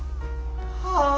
はあ！